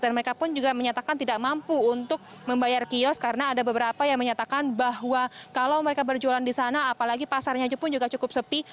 dan mereka pun juga menyatakan tidak mampu untuk membayar kios karena ada beberapa yang menyatakan bahwa kalau mereka berjualan di sana apalagi pasarnya juga cukup sepi